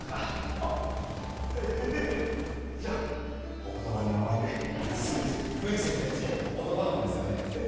あっええじゃあお言葉に甘えてぜひぜひ冬木先生んち男の子ですよねえっ